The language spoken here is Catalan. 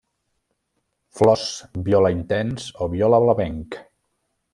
Flors viola intens o viola blavenc.